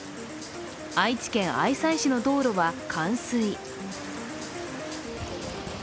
愛知県愛西市の道路は冠水。